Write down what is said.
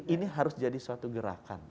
ini harus jadi suatu gerakan